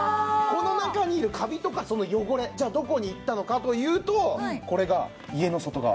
この中にいるカビとか汚れじゃあどこにいったのかというとこれが家の外側。